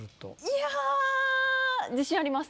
いや自信あります。